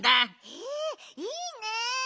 へえいいね。